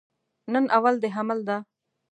نن اول د حمل ده